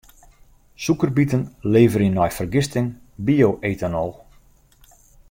Sûkerbiten leverje nei fergisting bio-etanol.